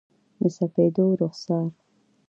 د سپېدو رخسار،